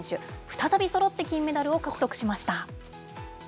再びそろって金メダルを獲得しま